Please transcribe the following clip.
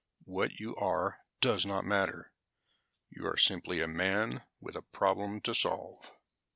What you are does not matter. You are simply a man with a problem to solve.